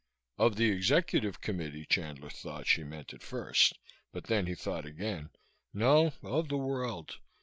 Of the Executive Committee, Chandler thought she meant at first, but then he thought again. No. Of the world.